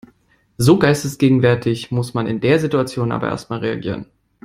So geistesgegenwärtig muss man in der Situation aber erstmal reagieren.